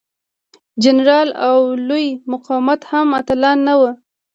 جنرالان او لوی مقامات هم اتلان نه وو.